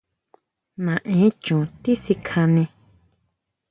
¿Naen choón tisikjané?